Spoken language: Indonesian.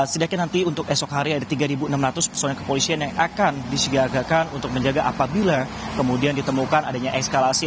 setidaknya nanti untuk esok hari ada tiga enam ratus personil kepolisian yang akan disiagakan untuk menjaga apabila kemudian ditemukan adanya eskalasi